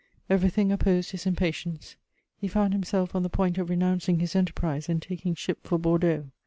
Everything opposed his impatience; he found himself on the point of renouncing his enterprise and taking ship for Bordeaux.